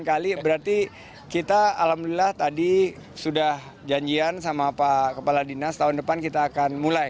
kali berarti kita alhamdulillah tadi sudah janjian sama pak kepala dinas tahun depan kita akan mulai